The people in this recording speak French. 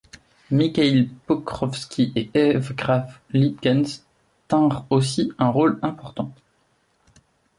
Mikhaïl Pokrovski et Evgraf Litkens tinrent aussi un rôle important.